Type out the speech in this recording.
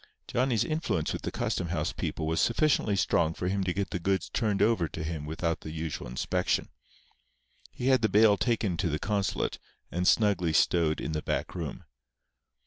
Johnny's influence with the custom house people was sufficiently strong for him to get the goods turned over to him without the usual inspection. He had the bale taken to the consulate and snugly stowed in the back room.